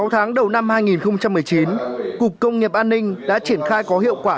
sáu tháng đầu năm hai nghìn một mươi chín cục công nghiệp an ninh đã triển khai có hiệu quả